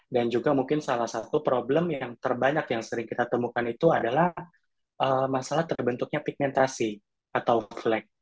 dan juga mungkin salah satu problem yang terbanyak yang sering kita temukan itu adalah masalah terbentuknya pigmentasi atau flek